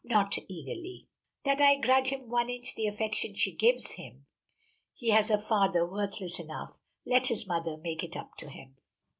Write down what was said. Not," eagerly, "that I grudge him one inch the affection she gives him. He has a father worthless enough. Let his mother make it up to him."